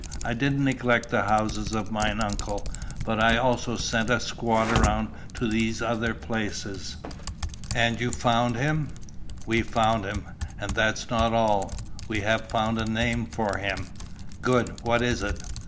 I didn't neglect the houses of mine uncle, but I also sent a squad around to these other places." "And you found him?" "We found him. And that's not all. We have found a name for him." "Good! What is it?"